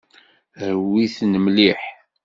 Rwit-ten mliḥ.